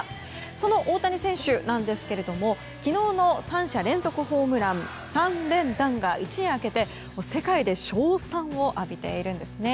その大谷選手ですが昨日の３者連続ホームラン、３連弾が一夜明けて世界で称賛を浴びているんです。